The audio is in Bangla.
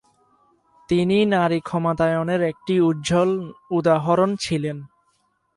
তিনি নারী ক্ষমতায়নের একটি উজ্জ্বল উদাহরণ ছিলেন।